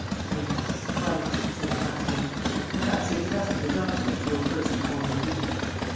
"Yes, twice," said the huntsman. "Perhaps he entrusted the document to a person called Marie."